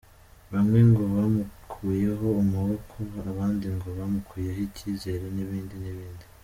Bamwe ngo bamukuyeho amaboko, abandi ngo bamukuyeho ikizere n’ibindi n’ibindi.